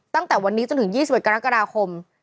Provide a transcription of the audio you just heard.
ตั้งแต่วันนี้จนถึง๒๑กรกฎาคม